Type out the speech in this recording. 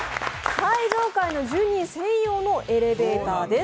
最上階の住人専用のエレベーターです。